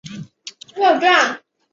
刘伯升退到棘阳据守。